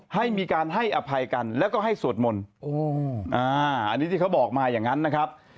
ให้มีการให้อภัยกันแล้วก็ให้สวดมนต์อันนี้ที่เขาบอกมาอย่างนั้นนะครับ